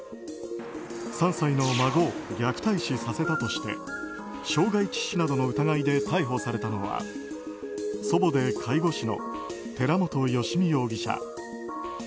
３歳の孫を虐待死させたとして傷害致死などの疑いで逮捕されたのは祖母で介護士の寺本由美容疑者。